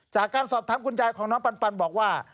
จากการสอบถามคุณยายของน้องปันบอกว่า